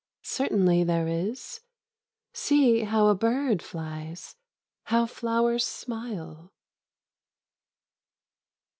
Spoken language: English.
Certainly there is. See how a bird flies, how flowers smile